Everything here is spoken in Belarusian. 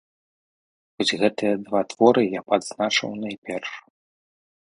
Вось гэтыя два творы я б адзначыў найперш.